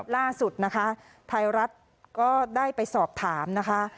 ล่าสุดนะคะไทยรัฐก็ได้ไปสอบถามนะคะ